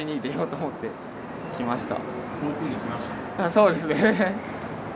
そうですね。